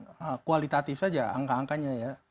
yang kualitatif saja angka angkanya ya